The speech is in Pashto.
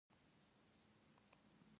د روهیله افغانانو په زړونو کې ډار ولوېږي.